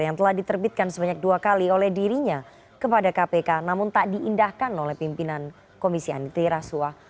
yang telah diterbitkan sebanyak dua kali oleh dirinya kepada kpk namun tak diindahkan oleh pimpinan komisi andi rasuah